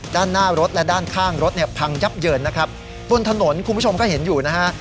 ด้านหน้ารถและด้านข้างรถเนี่ยพังยับเยินนะครับบนถนนคุณผู้ชมก็เห็นอยู่นะฮะ